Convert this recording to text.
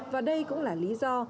và đây cũng là lý do